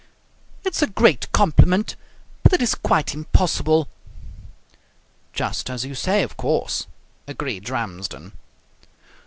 "It's a great compliment, but it is quite impossible." "Just as you say, of course," agreed Ramsden.